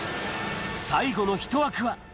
最後の１枠は。